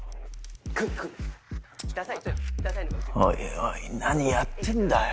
チッおいおい何やってんだよ。